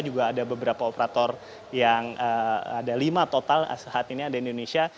juga ada beberapa operator yang ada lima total saat ini ada di indonesia